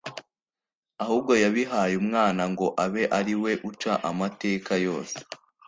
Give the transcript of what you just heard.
ahubwo yabihaye Umwana ngo abe ari we uca amateka yose